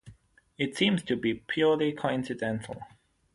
It seems to be purely coincidental.